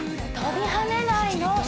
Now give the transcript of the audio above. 跳びはねないの。